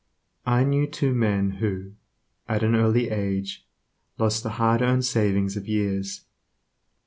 I knew two men who, at an early age, lost the hard earned savings of years.